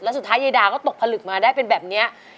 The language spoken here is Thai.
สุดท้ายยายดาก็ตกผลึกมาได้เป็นแบบนี้